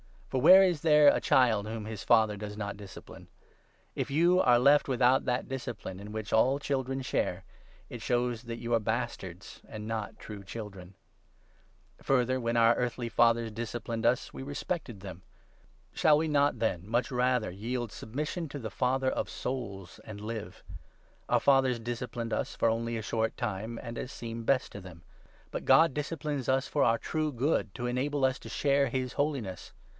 For where is there a child whom his father does not discipline ? If you are left 8 without that discipline, in which all children share, it shows that you are bastards, and not true Children. Further, when 9 our earthly fathers disciplined us, we respected them. Shall we not, then, much rather yield submission to the Father of souls, and live ? Our fathers disciplined us for only a short 10 time and as seemed best to them ; but God disciplines us for our true good, to enable us to share his holiness.